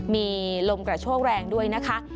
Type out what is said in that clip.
มีลมกระโชกแรงด้วยนะคะ